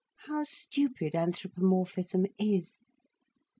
How stupid anthropomorphism is!